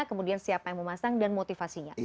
kemudian siapa yang memasang dan motivasinya